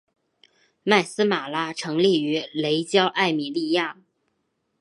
麦丝玛拉成立于雷焦艾米利亚。